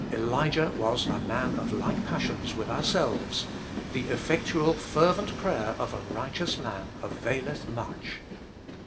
Elijah was a man of like passions with ourselves. The effectual fervent prayer of a righteous man availeth much."